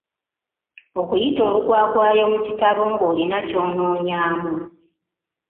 Okuyita olukwakwayo mu kitabo ng'olina ky'onoonyaamu.